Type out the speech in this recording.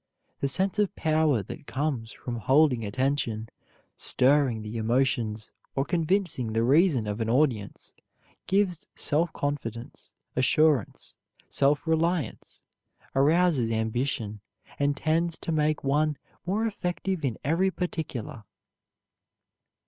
The sense of power that comes from holding attention, stirring the emotions or convincing the reason of an audience, gives self confidence, assurance, self reliance, arouses ambition, and tends to make one more effective in every particular.